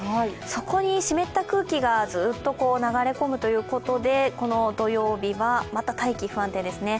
そこに湿った空気がずっと流れ込むということで、この土曜日は、また大気、不安定ですね。